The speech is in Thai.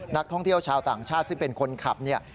นักท่องเที่ยวชาวต่างชาติซึ่งเป็นคนขับเนี่ย